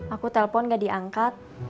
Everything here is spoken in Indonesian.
aku telpon gak diangkat